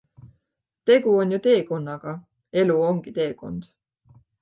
Tegu on ju teekonnaga - elu ongi teekond!